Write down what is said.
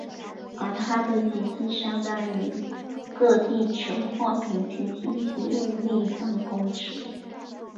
而它的体积相当于个地球或平均体积为立方公尺。